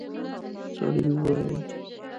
سړي وويل: